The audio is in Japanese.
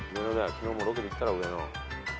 昨日もロケで行ったろ上野。